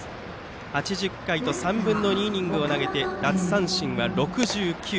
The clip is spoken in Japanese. ８０回と３分の２イニング投げて奪三振６９。